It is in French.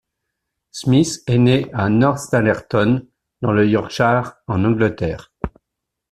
Smith est née à Northallerton, dans le Yorkshire, en Angleterre.